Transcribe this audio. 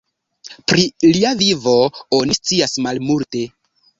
Pri lia vivo oni scias malmulte.